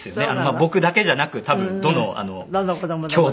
僕だけじゃなく多分どの兄弟も。